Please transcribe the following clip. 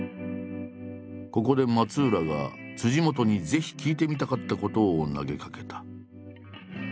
ここで松浦が本にぜひ聞いてみたかったことを投げかけた。